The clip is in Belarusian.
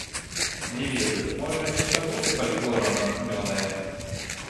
Не ведаю, можа, нешта будзе фальклорам натхнёнае.